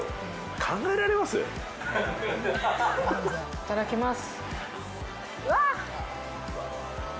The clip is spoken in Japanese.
いただきます。